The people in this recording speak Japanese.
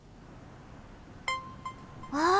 わあ！